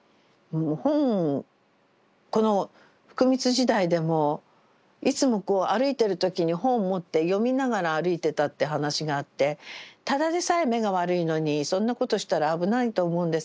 本この福光時代でもいつもこう歩いてる時に本を持って読みながら歩いてたって話があってただでさえ目が悪いのにそんなことしたら危ないと思うんですけど。